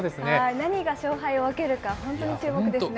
何が勝敗を分けるか本当に注目ですね。